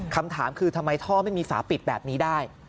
คำถามคือทำไมท่อไม่มีฝาปิดแบบนี้ได้